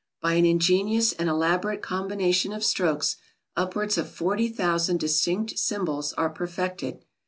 By an ingenious and elaborate combination of strokes, upwards of 40,000 distinct symbols are perfected.